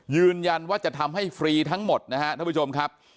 ยืนยันว่าจะทำให้ฟรีทั้งหมดนะครับท่านผู้ชมครับ